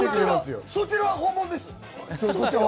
そちらは本物です。